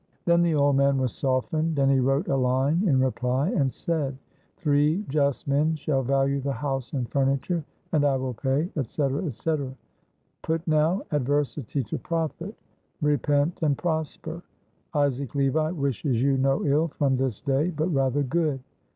Then the old man was softened, and he wrote a line in reply, and said: "Three just men shall value the house and furniture, and I will pay, etc., etc. Put now adversity to profit repent and prosper. Isaac Levi wishes you no ill from this day, but rather good."